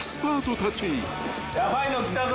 ヤバいの来たぞ。